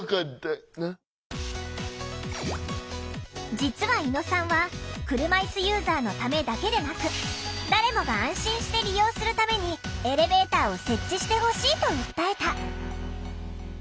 実は猪野さんは車いすユーザーのためだけでなく誰もが安心して利用するためにエレベーターを設置してほしいと訴えた。